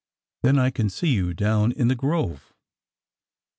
Then I can see you down in the grove.